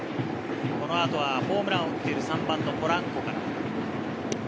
この後、ホームランを打っている３番・ポランコから。